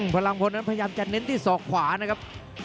พลังพลนั้นพยายามจะเน้นที่ศอกขวานะครับ